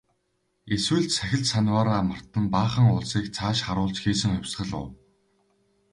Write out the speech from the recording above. Эсвэл сахил санваараа мартан баахан улсыг цааш харуулж хийсэн хувьсгал уу?